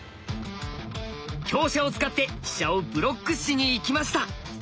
香車を使って飛車をブロックしにいきました。